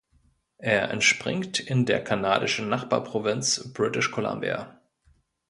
Er entspringt in der kanadischen Nachbarprovinz British Columbia.